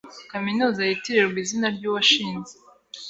Kaminuza yitirirwa izina ryuwashinze.